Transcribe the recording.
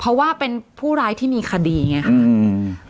เพราะว่าเป็นผู้ร้ายที่มีคดีอย่างเงี้ยอืมอืม